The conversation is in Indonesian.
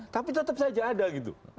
tapi tetap saja ada gitu